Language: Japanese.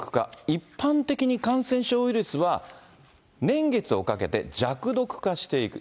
一般的に感染症ウイルスは、年月をかけて弱毒化していく。